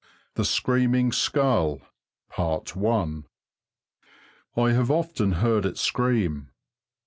THE SCREAMING SKULL I have often heard it scream.